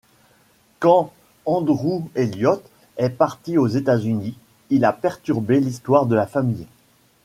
Quand Andrew Eliott est parti aux États-Unis, il a perturbé l’histoire de la famille.